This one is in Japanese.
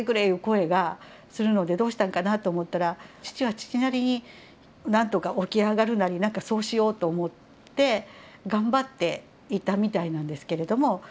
ゆう声がするのでどうしたんかなと思ったら父は父なりに何とか起き上がるなり何かそうしようと思って頑張っていたみたいなんですけれども。